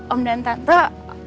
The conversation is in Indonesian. om dan tante orang tuanya elsa